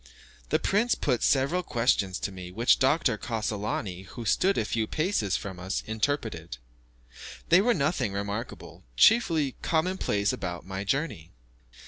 The prince put several questions to me, which Dr. Cassolani, who stood a few paces from us, interpreted. They were nothing remarkable, chiefly common places about my journey.